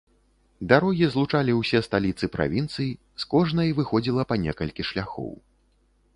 Дарогі злучалі ўсе сталіцы правінцый, з кожнай выходзіла па некалькі шляхоў.